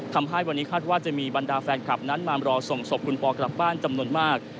ทำให้วันนี้คาดว่าจะมีบรรดาแฟนคลับนั้นมารอส่งศพคุณปอกลับบ้านจำนวนมาก